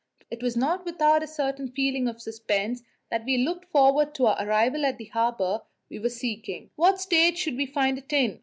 It was not without a certain feeling of suspense that we looked forward to our arrival at the harbour we were seeking What state should we find it in?